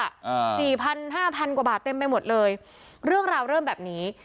อ่าสี่พันห้าพันกว่าบาทเต็มไปหมดเลยเรื่องราวเริ่มแบบนี้